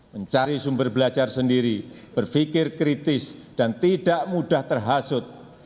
mencari sumber belajar sendiri berpikir kritis dan tidak mudah terhasut